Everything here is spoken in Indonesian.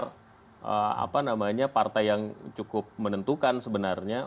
golkar apa namanya partai yang cukup menentukan sebenarnya